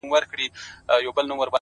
• د مړونو قدر کم سي چي پردي وطن ته ځینه,